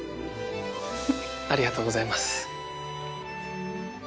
ありがとうございます。